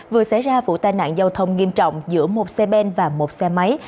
vừa xảy ra vụ tai nạn giao thông nghiêm trọng giữa một xe ben và một xe máy